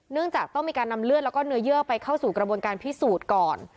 จากต้องมีการนำเลือดแล้วก็เนื้อเยื่อไปเข้าสู่กระบวนการพิสูจน์ก่อน